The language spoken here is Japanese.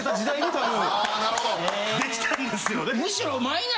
多分できたんですよね。